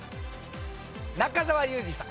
中澤佑二さん。